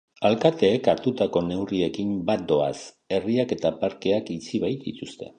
Alkateek hartutako neurriekin bat doaz, herriak eta parkeak itxi baitituzte.